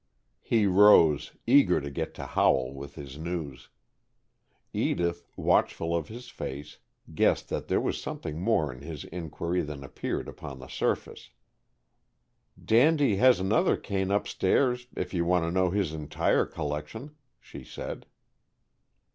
He rose, eager to get to Howell with his news. Edith, watchful of his face, guessed that there was something more in his inquiry than appeared upon the surface. "Dandy has another cane upstairs, if you want to know about his entire collection," she said.